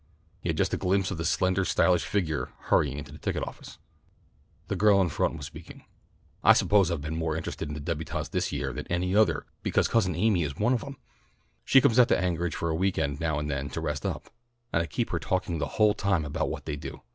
He had just a glimpse of a slender stylish figure hurrying into the ticket office. The girl in front was speaking. "I suppose I've been more interested in the débutantes this year than any other because Cousin Amy is one of them. She comes out to Anchorage for a week end now and then to rest up, and I keep her talking the whole time about what they do.